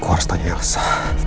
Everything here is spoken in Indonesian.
aku harus tanya elsa